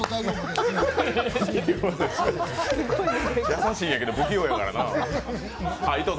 優しいんやけど、不器用やからなぁ。